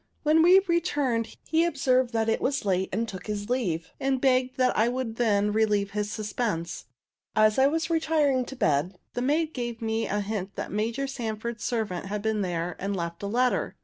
When we returned he observed that it was late, and took his leave, telling me that he should call to morrow, and begged that I would then relieve his suspense. As I was retiring to bed, the maid gave me a hint that Major Sanford's servant had been here and left a letter.